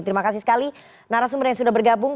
terima kasih sekali narasumber yang sudah bergabung